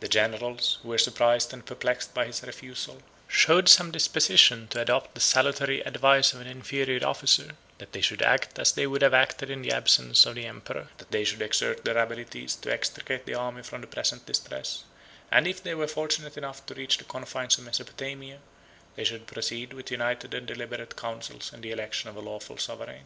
The generals, who were surprised and perplexed by his refusal, showed some disposition to adopt the salutary advice of an inferior officer, 100 that they should act as they would have acted in the absence of the emperor; that they should exert their abilities to extricate the army from the present distress; and, if they were fortunate enough to reach the confines of Mesopotamia, they should proceed with united and deliberate counsels in the election of a lawful sovereign.